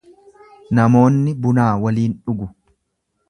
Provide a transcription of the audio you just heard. Namoonni bunaa waliin dhugu.